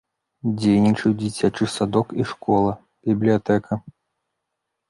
Дзейнічаюць дзіцячы садок і школа, бібліятэка.